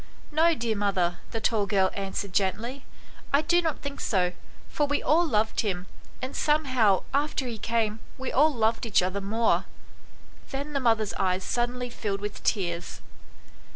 " No, dear mother," the tall girl answered gently, " I do not think so, for we all loved him, and some how after he came we all loved each other more." Then the mother's eyes suddenly filled with tears.